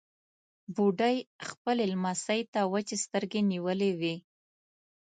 بوډۍ خپلې لمسۍ ته وچې سترګې نيولې وې.